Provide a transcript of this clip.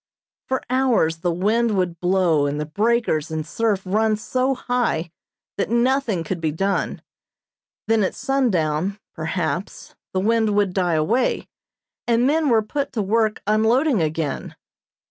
For hours the wind would blow and the breakers and surf run so high that nothing could be done; then at sundown, perhaps, the wind would die away, and men were put to work unloading again.